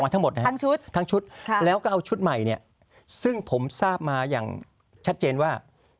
ทั้งชุดแล้วก็เอาชุดใหม่เนี่ยซึ่งผมทราบมาอย่างชัดเจนว่า